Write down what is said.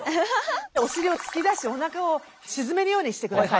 お尻を突き出しおなかを沈めるようにしてください。